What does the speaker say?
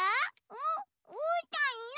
う？うーたんの！